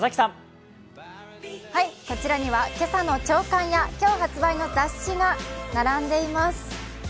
こちらには今朝の朝刊や今日発売の雑誌が並んでいます。